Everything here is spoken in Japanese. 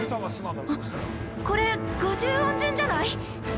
これ、５０音順じゃない？